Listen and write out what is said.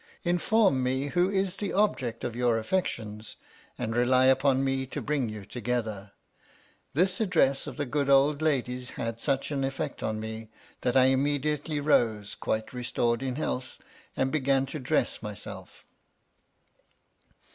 Inform me who is the object of your affections, and rely upon rne to bring you together. This address of the good old lady's had such an effect upon me, that I immediately arose quite restored in health, and began to dress myself.